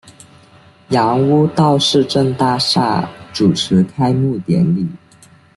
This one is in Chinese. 杨屋道市政大厦主持开幕典礼。